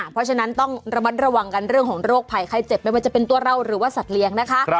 เพราะฉะนั้นต้องระมัดระวังกันเรื่องของโรคภัยไข้เจ็บไม่ว่าจะเป็นตัวเราหรือว่าสัตว์เลี้ยงนะคะ